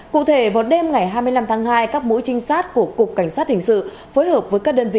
cụ thể vào đêm ngày hai mươi năm tháng hai các mũi trinh sát của cục cảnh sát hình sự phối hợp với các đơn vị